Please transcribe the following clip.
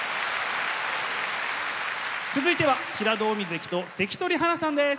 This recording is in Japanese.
続いては平戸海関と関取花さんです。